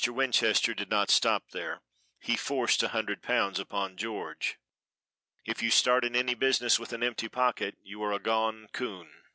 Winchester did not stop there, he forced a hundred pounds upon George. "If you start in any business with an empty pocket you are a gone coon."